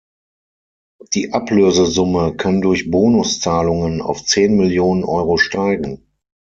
Die Ablösesumme kann durch Bonuszahlungen auf zehn Millionen Euro steigen.